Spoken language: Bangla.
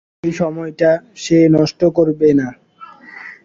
এই সময়টা সে নষ্ট করবে না।